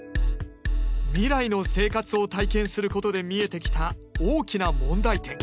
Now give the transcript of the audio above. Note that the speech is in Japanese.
未来の生活を体験することで見えてきた大きな問題点。